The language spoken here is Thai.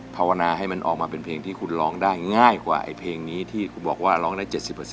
ภาวนาให้มันออกมาเป็นเพลงที่คุณร้องได้ง่ายกว่าไอ้เพลงนี้ที่คุณบอกว่าร้องได้๗๐